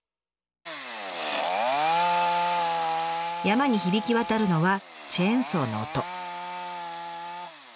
山に響き渡るのはチェーンソーの音。